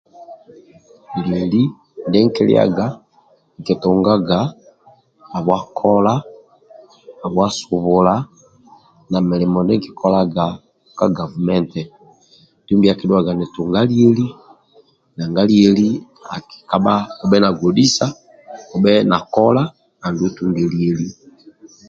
Lyeli ndyenkilyaga nkitungaga habwa kola habwa subula namilimo ndye kikolaga ka gavumenti dumbi akidhuwaga nitunga lyeli nanga lyeli akikabha obhe na godhisa obhe nakola a dulu otunge lyeli